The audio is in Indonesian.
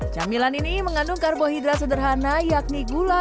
camilan ini mengandung karbohidrat sederhana yakni gula